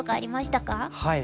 はい。